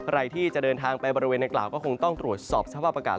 ใครที่จะเดินทางไปบริเวณในกล่าวก็คงต้องตรวจสอบสภาพอากาศ